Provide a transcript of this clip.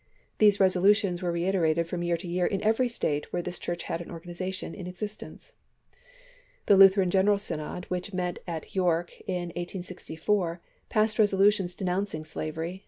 These resolutions were reiterated from year to year in every State where this church had an organization in existence. The Lutheran General Synod which met at York LINCOLN AND THE CHUECHES 319 in 1864 passed resolutions denouncing slavery, chap.